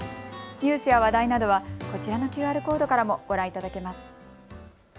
ニュースや話題などはこちらのＱＲコードからもご覧いただけます。